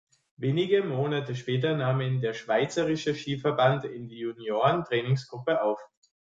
Wenige Monate später nahm ihn der Schweizerische Skiverband in die Junioren-Trainingsgruppe auf.